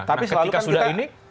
nah ketika sudah ini